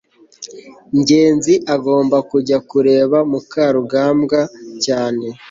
ngenzi agomba kujya kureba mukarugambwa cyane